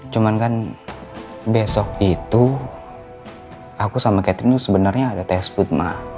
cuman kan besok itu aku sama catherine sebenarnya ada test foot ma